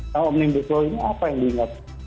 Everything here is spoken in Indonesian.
nah omnibus law ini apa yang diingat